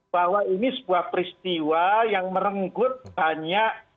bahwa ini sebuah peristiwa yang merenggut banyak